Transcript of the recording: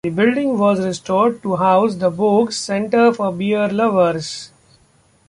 The building was restored to house the Boag's Centre for Beer Lovers.